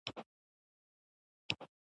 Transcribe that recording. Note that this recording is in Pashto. مزارشریف د افغانستان د کلتوري میراث برخه ده.